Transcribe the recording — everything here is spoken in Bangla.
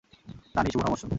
তানি, শুভ নববর্ষ।